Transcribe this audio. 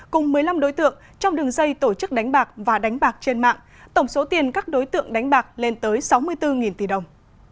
cùng một mươi năm đối tượng trong đường dây tổ chức đánh bạc và đánh bạc trên mạng tổng số tiền các đối tượng đánh bạc lên tới sáu mươi bốn tỷ đồng